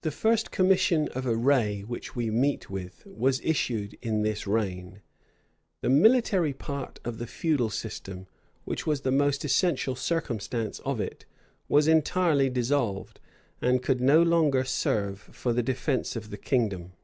The first commission of array which we meet with, was issued in this reign.[*] The military part of the feudal system, which was the most essential circumstance of it, was entirely dissolved, and could no longer serve for the defence of the kingdom.